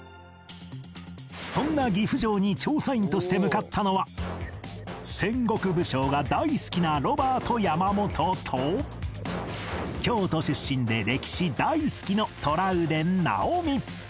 そんな岐阜城に調査員として向かったのは戦国武将が大好きなロバート山本と京都出身で歴史大好きのトラウデン直美